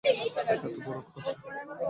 এতো বড় ক্ষত!